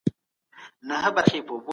کابینه نوی تړون نه لاسلیک کوي.